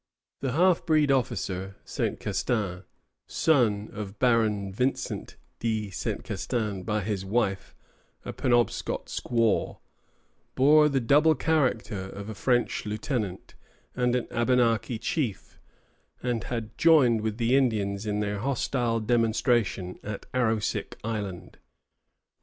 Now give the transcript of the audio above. The half breed officer, Saint Castin, son of Baron Vincent de Saint Castin by his wife, a Penobscot squaw, bore the double character of a French lieutenant and an Abenaki chief, and had joined with the Indians in their hostile demonstration at Arrowsick Island.